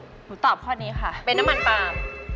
หนูตอบข้อนี้ค่ะเป็นน้ำมันปลาม